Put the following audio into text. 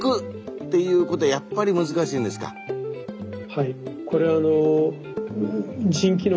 はい。